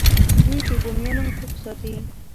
دوی د بومیانو حقوق ساتي.